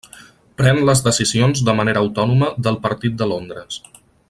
Pren les decisions de manera autònoma del partit de Londres.